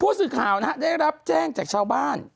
สื่อข่าวนะฮะได้รับแจ้งจากชาวบ้าน